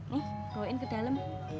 nih bawain ke dalam